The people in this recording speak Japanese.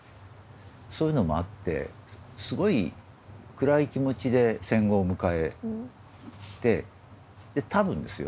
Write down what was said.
そういうのもあってすごい暗い気持ちで戦後を迎えてで多分ですよ。